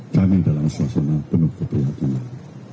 kami dalam suasana penuh keprihatinan